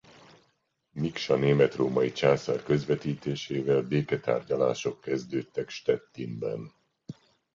Miksa német-római császár közvetítésével béketárgyalások kezdődtek Stettinben.